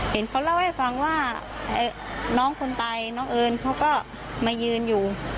เห็นเขาเล่าให้ฟังว่าน้องคนตายน้องเอิญเขาก็มายืนอยู่